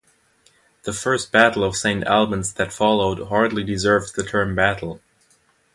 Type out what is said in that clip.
The First Battle of Saint Albans that followed hardly deserves the term battle.